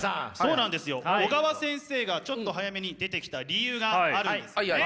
小川先生がちょっと早めに出てきた理由があるんですね。